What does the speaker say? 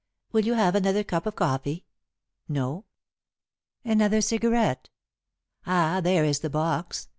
Will you have another cup of coffee? No! Another cigarette. Ah, there is the box.